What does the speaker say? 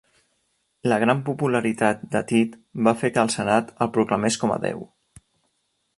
La gran popularitat de Tit va fer que el Senat el proclamés com a déu.